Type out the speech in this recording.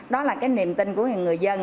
đó là cái niềm tin của người dân